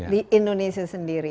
di indonesia sendiri